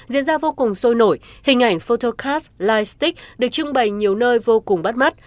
diễn ra vô cùng sôi nổi hình ảnh photocast lightstick được trưng bày nhiều nơi vô cùng bắt mắt